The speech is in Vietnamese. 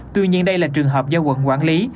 tuy nhiên đây là trường hợp do quận quản lý